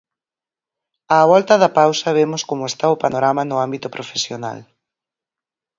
Á volta da pausa vemos como está o panorama no ámbito profesional.